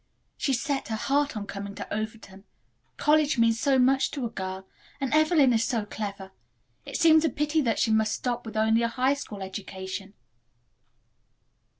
"She has set her heart on coming to Overton. College means so much to a girl, and Evelyn is so clever. It seems a pity that she must stop with only a high school education."